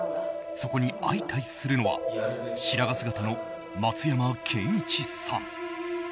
そこに相対するのは白髪姿の松山ケンイチさん。